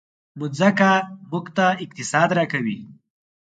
مځکه موږ ته اقتصاد راکوي.